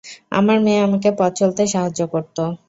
আমার মেয়ে আমাকে পথ চলতে সাহায্য করত।